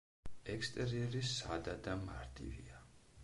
ექსტერიერი სადა და მარტივია.